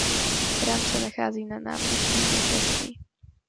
Chrám se nachází na Náměstí vítězství.